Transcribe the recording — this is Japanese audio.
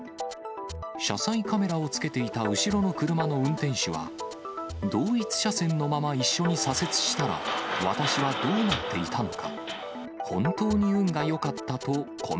車載カメラを付けていた後ろの車の運転手は、同一車線のまま一緒に左折したら、私はどうなっていたのか。